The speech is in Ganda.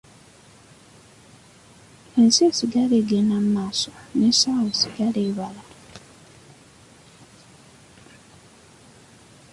Ensi esigala egenda mu maaso n’essaawa esigala ebala.